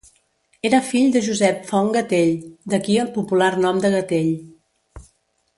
Era fill de Josep Font Gatell, d’aquí el popular nom de Gatell.